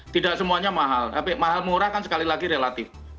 tidak semuanya mahal tapi mahal murah kan sekali lagi relatif